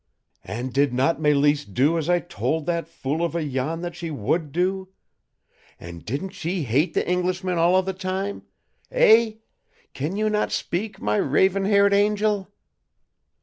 And did not Mélisse do as I told that fool of a Jan that she WOULD do? And didn't she HATE the Englishman all of the time? Eh? Can you not speak, my raven haired angel?"